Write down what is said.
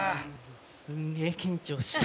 すんげえ緊張した！